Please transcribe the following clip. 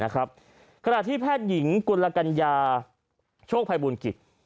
ขณะที่แพทย์หญิงกุลกัญญาโชคภัยบูลกิจ